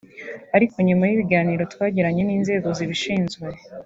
ariko nyuma y’ibiganiro twagiranye n’inzego zibishinzwe